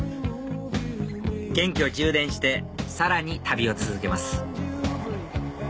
元気を充電してさらに旅を続けます